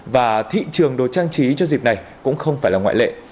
và thị trường đồ trang trí cho dịp này cũng không phải là ngoại lệ